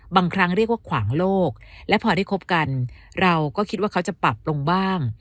บางครั้งเรียกว่าขวางโลกและพอได้คบกันเราก็คิดว่าเขาจะปรับลงบ้าง